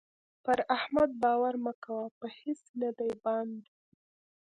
پر احمد باور مه کوه؛ په هيڅ نه دی بند.